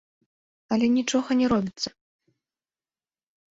Але нічога не робіцца.